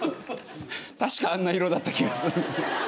確かあんな色だった気がする。